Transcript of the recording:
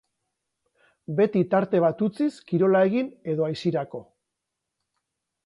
Beti tarte bat utziz kirola egin edo aisirako.